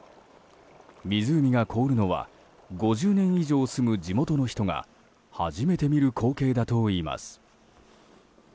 湖が凍るのは５０年以上住む地元の人が初めて見る光景だといいます。